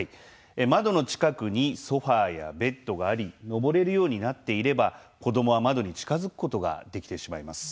窓の近くにソファやベッドがあり登れるようになっていれば子どもは窓に近づくことができてしまいます。